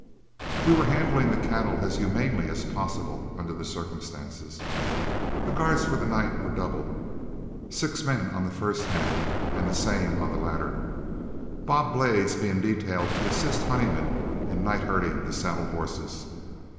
We were handling the cattle as humanely as possible under the circumstances. The guards for the night were doubled, six men on the first half and the same on the latter, Bob Blades being detailed to assist Honeyman in night herding the saddle horses.